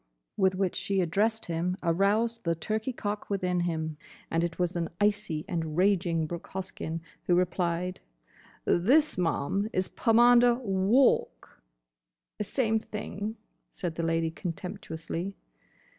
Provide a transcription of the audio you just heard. with which she addressed him aroused the turkey cock within him, and it was an icy and raging Brooke Hoskyn who replied, "This, ma'am, is Pomander Walk!" "Same thing," said the Lady contemptuously.